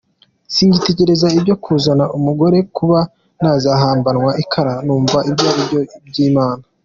Singitekereza ibyo kuzana umugore, kuba nazahambanwa ikara numva ibyo ari iby’Imana.